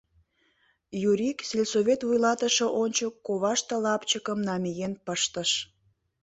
Юрик сельсовет вуйлатыше ончык коваште лапчыкым намиен пыштыш.